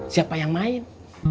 siapa yang main